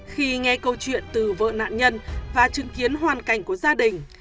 khi nghe câu chuyện từ vợ nạn nhân và chứng kiến hoàn cảnh của gia đình